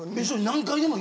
何回でも。